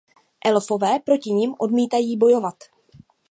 Elfové proti nim odmítají bojovat.